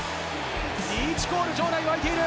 リーチコールに場内が沸いている！